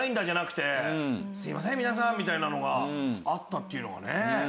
じゃなくてすいません皆さんみたいなのがあったというのがね。